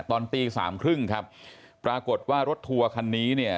ตอนตี๓๓๐ครับปรากฏว่ารถทัวร์คันนี้เนี่ย